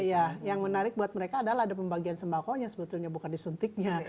iya yang menarik buat mereka adalah ada pembagian sembakonya sebetulnya bukan disuntiknya